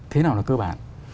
thế nào là cơ bản